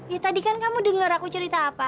ya tadi kan kamu dengar aku cerita apa